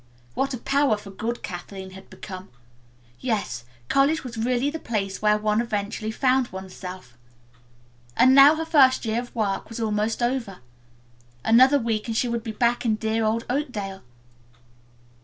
What a power for good Kathleen had become. Yes, college was really the place where one eventually found oneself. And now her first year of work was almost over. Another week and she would be back in dear old Oakdale.